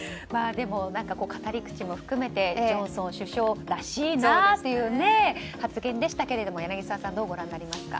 でも、語り口も含めてジョンソン首相らしいなという発言でしたけど、柳澤さんどうご覧になりましたか？